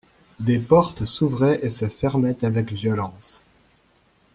Des portes s'ouvraient et se fermaient avec violence.